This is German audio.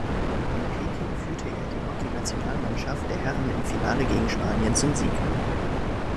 In Peking führte er die Hockeynationalmannschaft der Herren im Finale gegen Spanien zum Sieg.